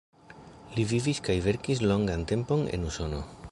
Li vivis kaj verkis longan tempon en Usono.